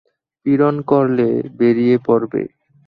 পীড়ন করলে বেরিয়ে পড়বে।